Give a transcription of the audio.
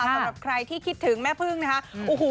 สำหรับใครที่คิดถึงแม่พึ่งนะคะ